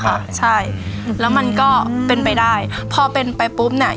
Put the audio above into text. ยากมากใช่แล้วมันก็เป็นไปได้พอเป็นไปปุ๊บเนี้ย